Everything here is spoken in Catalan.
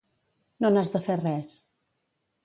No n'has de fer res.